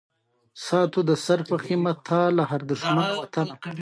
د اسهال لپاره کوم څاڅکي وکاروم؟